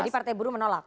jadi partai buruh menolak